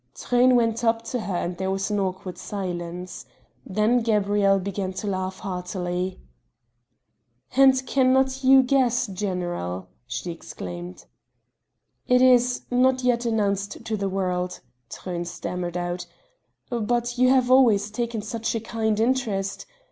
Truyn went up to her and there was an awkward silence. Then Gabrielle began to laugh heartily. "And cannot you guess, General?" she exclaimed. "It is not yet announced to the world," Truyn stammered out, "but you have always taken such a kind interest